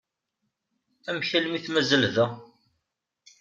Amek armi i t-mazal da?